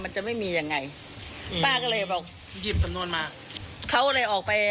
จะไม่มียังไงอืมป้าก็เลยบอกหยิบสำนวนมาเขาเลยออกไป